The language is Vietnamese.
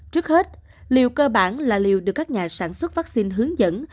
trước hết liều cơ bản là liều được các nhà sản xuất vaccine hướng dẫn